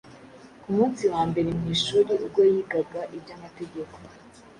Ku munsi wa mbere mu ishuri ubwo yigaga iby’Amategeko,